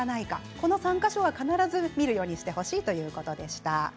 この３か所は必ず見るようにしてほしいということでした。